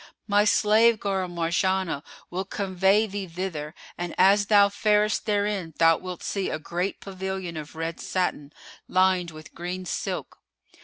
My slave girl Marjánah will convey thee thither and as thou farest therein thou wilt see a great pavilion of red satin, lined with green silk.